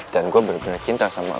dan gue bener bener cinta sama lo